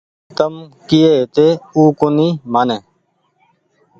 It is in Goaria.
تم ڪيئي هيتي او ڪونيٚ مآني